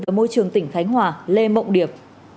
về môi trường tỉnh khánh hòa lê mộng điệp